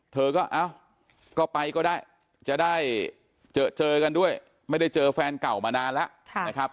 เธอก็เอ้าก็ไปก็ได้จะได้เจอกันด้วยไม่ได้เจอแฟนเก่ามานานแล้วนะครับ